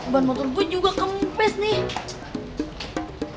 ban motor gue juga kempes nih